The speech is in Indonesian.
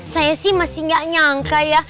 saya sih masih nggak nyangka ya